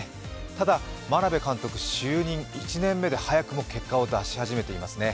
ただ眞鍋監督、就任１年目で早くも結果を出し始めていますね。